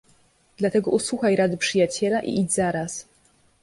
"Dlatego usłuchaj rady przyjaciela i idź zaraz."